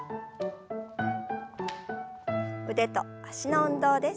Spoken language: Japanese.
腕と脚の運動です。